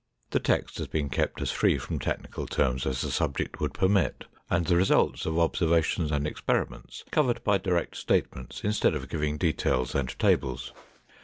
The text has been kept as free from technical terms as the subject would permit, and the results of observations and experiments covered by direct statements instead of giving details and tables.